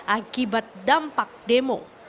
akibat dampak demo